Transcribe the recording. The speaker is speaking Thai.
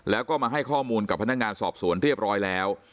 แล้วก็มาให้ข้อมูลกับพนักงานสอบสวนเรียบร้อยแล้ว